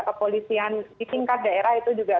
kepolisian di tingkat daerah itu juga